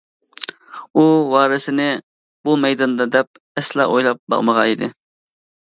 ئۇ ۋارىسىنى بۇ مەيداندا دەپ ئەسلا ئويلاپ باقمىغان ئىدى.